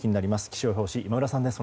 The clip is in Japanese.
気象予報士、今村さんです。